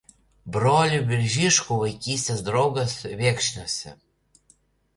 Brolių Biržiškų vaikystės draugas Viekšniuose.